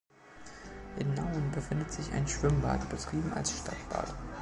In Nauen befindet sich ein Schwimmbad, betrieben als Stadtbad.